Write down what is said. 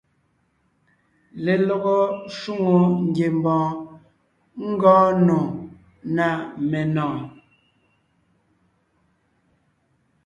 Lelɔgɔ shwòŋo ngiembɔɔn ngɔɔn nò ná menɔ̀ɔn.